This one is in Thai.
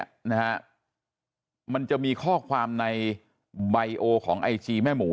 นะฮะมันจะมีข้อความในใบโอของไอจีแม่หมู